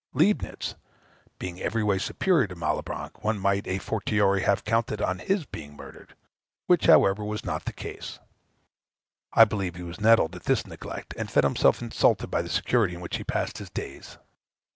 Leibnitz, being every way superior to Malebranche, one might, a fortiori, have counted on his being murdered; which, however, was not the case. I believe he was nettled at this neglect, and felt himself insulted by the security in which he passed his days.